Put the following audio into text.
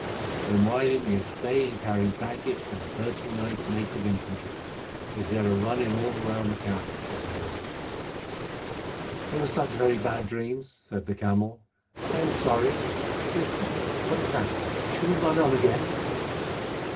"Then why didn't you stay and carry baggage for the 39th Native Infantry, instead of running all round the camp?" said the mule. "They were such very bad dreams," said the camel. "I am sorry. Listen! What is that? Shall we run on again?"